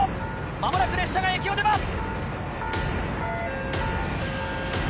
間もなく列車が駅を出ます。